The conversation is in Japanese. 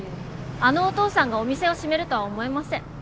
あのおとうさんがお店を閉めるとは思えません。